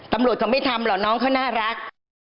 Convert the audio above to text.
ตำรวจเขาไม่ทำหรอกน้องเขาน่ารัก